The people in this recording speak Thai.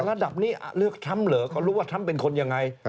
ระดับนี้เลือกทรัมป์เหรอเขารู้ว่าทรัมป์เป็นคนยังไง